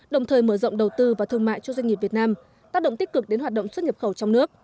đồng thời mở rộng đầu tư và thương mại cho doanh nghiệp việt nam tác động tích cực đến hoạt động xuất nhập khẩu trong nước